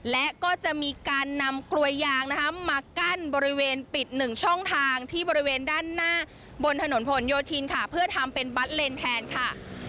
และจะมีการนำกลัวยยางมาก้นบริเวณปิดนึงช่องทางด้านหน้าบนถนนพหนโยธินเพื่อทำเป็นบัตรเลนแทนค่ะ